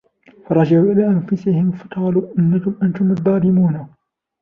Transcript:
فَرَجَعُوا إِلَى أَنْفُسِهِمْ فَقَالُوا إِنَّكُمْ أَنْتُمُ الظَّالِمُونَ